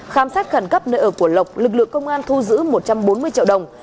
khám xét khẩn cấp nơi ở của lộc lực lượng công an thu giữ một trăm bốn mươi triệu đồng